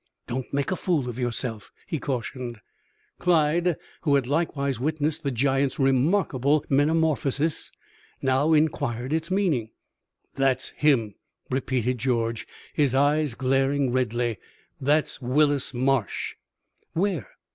"Don't make a fool of yourself," he cautioned. Clyde, who had likewise witnessed the giant's remarkable metamorphosis, now inquired its meaning. "That's him!" repeated George, his eyes glaring redly. "That's Willis Marsh." "Where?"